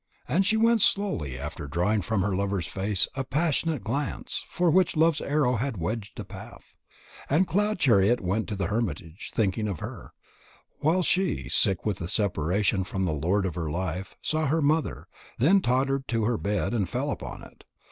And she went slowly, after drawing from her lover's face a passionate glance, for which Love's arrow had wedged a path. And Cloud chariot went to the hermitage, thinking of her; while she, sick with the separation from the lord of her life, saw her mother, then tottered to her bed and fell upon it.